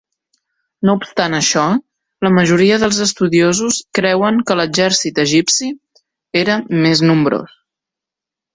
No obstant això, la majoria dels estudiosos creuen que l'exèrcit egipci era més nombrós.